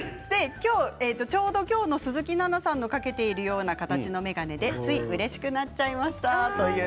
今日の鈴木奈々さんがかけているような形の眼鏡でついうれしくなっちゃいました。